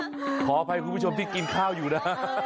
ขอโทษให้คุณผู้ชมพี่กินข้าวอยู่นะ